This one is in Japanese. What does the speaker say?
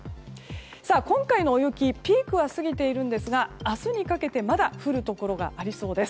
今回の雪ピークは過ぎているんですが明日にかけてまだ降るところがありそうです。